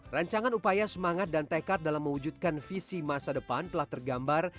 rancangan upaya semangat dan tekad dalam mewujudkan visi masa depan telah tergambar